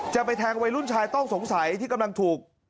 จะไปแทงวัยรุ่นชายต้องสงสัยที่กำลังถูก